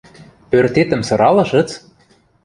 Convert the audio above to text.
– Пӧртетӹм сыралышыц?